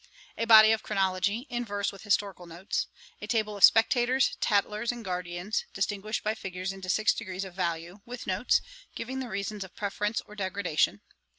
'A Body of Chronology, in verse, with historical notes. 'A Table of the Spectators, Tatlers, and Guardians, distinguished by figures into six degrees of value, with notes, giving the reasons of preference or degradation.